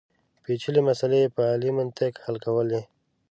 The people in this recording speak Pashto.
پېچلې مسلې په عالي منطق حل کولې.